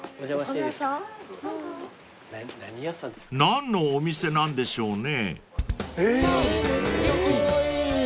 ［何のお店なんでしょうね］